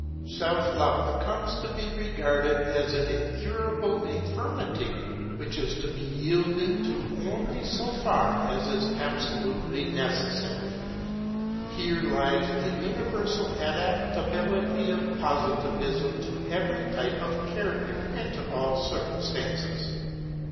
Self love comes to be regarded as an incurable infirmity, which is to be yielded to only so far as is absolutely necessary. Here lies the universal adaptability of Positivism to every type of character and to all circumstances.